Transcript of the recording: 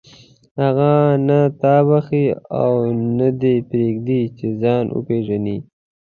هغه نه تا بخښي او نه دې پرېږدي چې ځان وپېژنې.